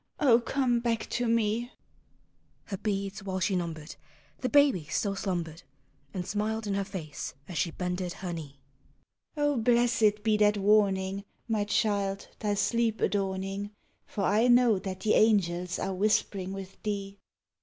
O come back to me !'' Her beads while she numbered The baby still slumbered, And smiled in her face as she bended her knee: "(), blessed be that warning. My child, thy sleep adorning, — For I know that the angels are whispering with thee.